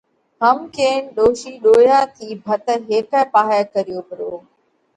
هم ڪينَ ڏوشِي ڏويا ٿِي ڀت هيڪئہ پاهئہ ڪريو پرو